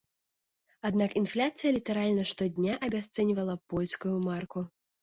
Аднак інфляцыя літаральна штодня абясцэньвала польскую марку.